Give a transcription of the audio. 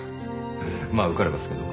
まあ受かればっすけど。